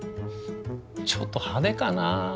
ちょっと派手かな。